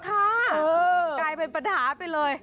กลายเป็นปัญหาไปเลย